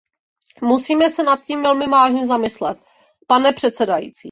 Musíme se nad tím velmi vážně zamyslet, pane předsedající.